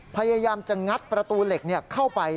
พยายามจะงัดประตูเหล็กเข้าไป